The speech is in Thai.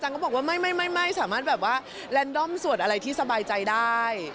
ก็บอกว่าไม่สามารถแบบว่าแลนดอมสวดอะไรที่สบายใจได้